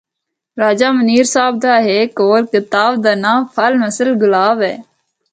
راجہ منیر صاحب دا ہک اور کتاب دا ناں ’پھل مثل گلاب‘ ہے۔